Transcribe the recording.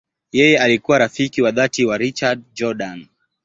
Yeye alikuwa rafiki wa dhati wa Richard Jordan.